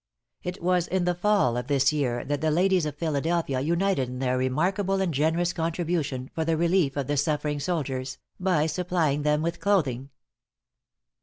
It was in the fall of this year, that the ladies of Philadelphia united in their remarkable and generous contribution for the relief of the suffering soldiers, by supplying them with clothing.